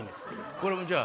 これもじゃあ。